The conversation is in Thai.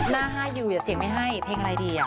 หน้าให้อยู่อย่าเสียงไม่ให้เพลงอะไรดี